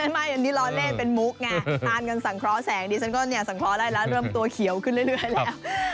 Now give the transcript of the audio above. ไม่อันนี้ล้อเล่นเป็นมุกไงทานกันสังเคราะห์แสงดิฉันก็เนี่ยสังเคราะห์ได้แล้วเริ่มตัวเขียวขึ้นเรื่อยแล้ว